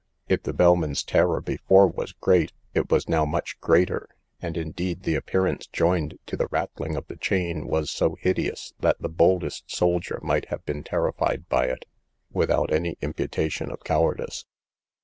If the bellman's terror before was great, it was now much greater; and indeed the appearance, joined to the rattling of the chain, was so hideous, that the boldest soldier might have been terrified by it, without any imputation of cowardice.